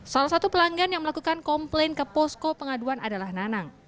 salah satu pelanggan yang melakukan komplain ke posko pengaduan adalah nanang